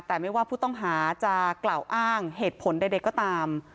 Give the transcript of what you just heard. แต่ไม่ว่าผู้ต้องหาจะกล่าวอ้างเหตุผลใดก็ตาม